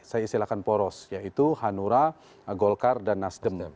saya istilahkan poros yaitu hanura golkar dan nasdem